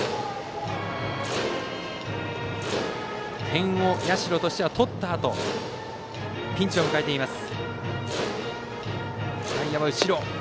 点を社としては取ったあとピンチを迎えています。